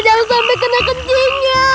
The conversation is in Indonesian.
jangan sampai kena kincingnya